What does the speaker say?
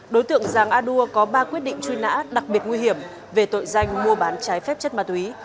đối tượng giàng a đua có ba quyết định truy nã đặc biệt nguy hiểm về tội danh mua bán trái phép chất ma túy